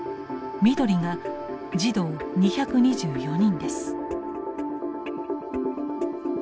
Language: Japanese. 緑が児童２２４人です。